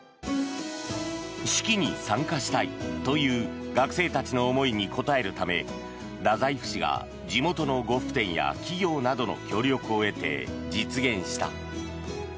式に参加したいという学生たちの思いに応えるため太宰府市が地元の呉服店や企業などの協力を得て実現した。